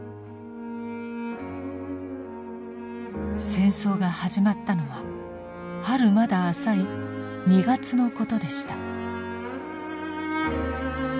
戦争が始まったのは春まだ浅い２月のことでした。